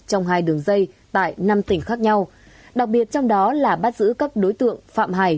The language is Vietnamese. trong hai đường dây tại năm tỉnh khác nhau đặc biệt trong đó là bắt giữ các đối tượng phạm hải